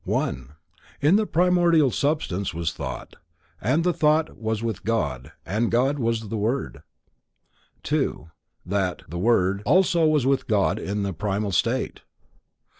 1) In the primordial substance was thought, and the thought was with God And God was the word, 2) THAT, [The Word], also was with God in the primal state.